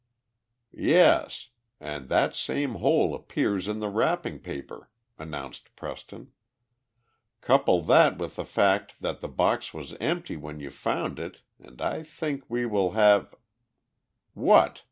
"Yes, and that same hole appears in the wrapping paper," announced Preston. "Couple that with the fact that the box was empty when you found it and I think we will have " "What?"